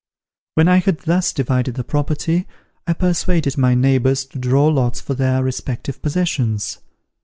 When I had thus divided the property, I persuaded my neighbours to draw lots for their respective possessions.